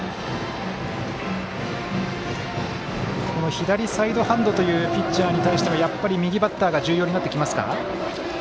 左サイドハンドというピッチャーに対してはやっぱり右バッターが重要になってきますか？